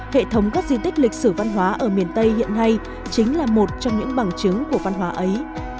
hệ thống các di tích lịch sử văn hóa ở miền tây hiện nay chính là một trong những bằng chứng của văn hóa ấy